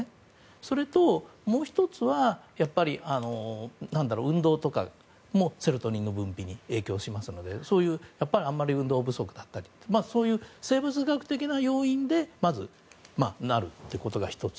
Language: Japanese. それともう１つは、運動とかもセロトニンの分泌に影響しますので運動不足だったとかそういう生物学的要因でまず、なるということが１つ。